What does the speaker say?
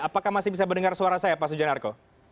apakah masih bisa mendengar suara saya pak sujanarko